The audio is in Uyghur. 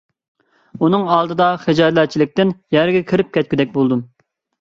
ئۇنىڭ ئالدىدا خىجالەتچىلىكتىن يەرگە كىرىپ كەتكۈدەك بولدۇم.